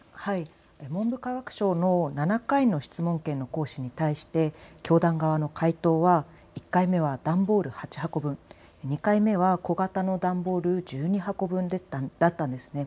文部科学省の７回の質問権の行使に対して教団側の回答は１回目は段ボール８箱分、２回目は小型の段ボール１２箱分だったんです。